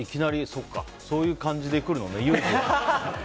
そうか、そういう感じで来るのね。